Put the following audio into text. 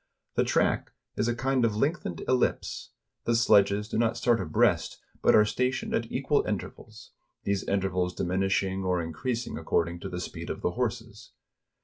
The track is a kind of lengthened ellipse; the sledges do not start abreast, but are stationed at equal intervals; these intervals diminishing or increasing according to the speed of the horses.